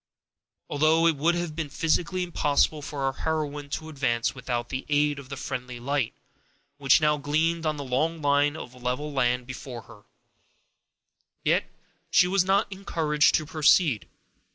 Although it would have been physically impossible for our heroine to advance without the aid of the friendly light, which now gleamed on the long line of level land before her, yet she was not encouraged to proceed.